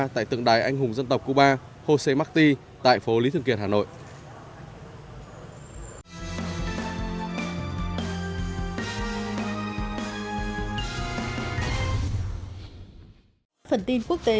tại tượng đài anh hùng dân tộc cuba jose marti tại phố lý thường kiệt hà nội